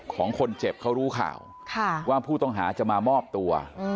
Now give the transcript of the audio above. ของคนเจ็บเขารู้ข่าวว่าผู้ต้องหาจะมามอบตัว